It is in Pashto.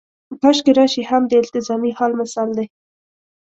کاشکې راشي هم د التزامي حال مثال دی.